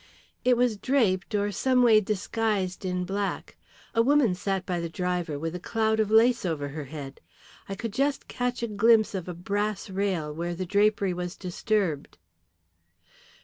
"It was draped or some way disguised in black. A woman sat by the driver, with a cloud of lace over her head. I could just catch a glimpse of a brass rail where the drapery was disturbed."